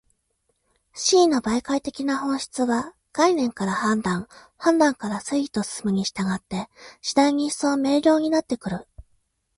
思惟の媒介的な本質は、概念から判断、判断から推理と進むに従って、次第に一層明瞭になってくる。